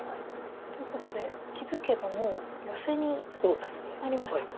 ということで気付けばもうヨセになりましたか。